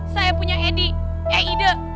saya punya edi eh ide